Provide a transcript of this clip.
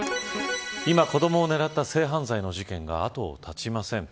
今、子どもを狙った性犯罪の事件が後を絶ちません。